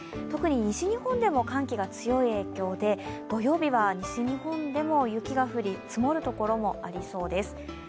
特に西日本でも寒気が強い影響で土曜日は西日本でも雪が降り、積もるところもありそうです。